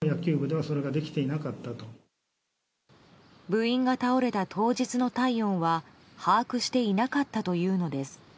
部員が倒れた当日の体温は把握していなかったというのです。